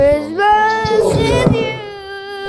Teččurem d leεqel!